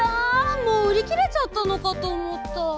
もううりきれちゃったのかとおもった。